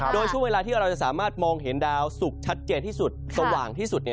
โดยช่วงเวลาที่เราจะสามารถมองเห็นดาวสุกชัดเจนที่สุดสว่างที่สุด